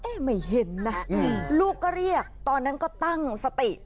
ไม่เห็นนะลูกก็เรียกตอนนั้นก็ตั้งสติ